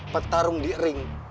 petarung di ring